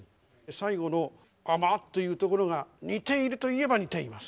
最後の「甘」って言うところが似ているといえば似ています。